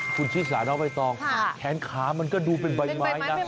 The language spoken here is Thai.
คุณชิสาน้องใบตองแขนขามันก็ดูเป็นใบไม้นะ